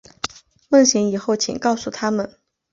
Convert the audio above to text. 梦醒以后请告诉他们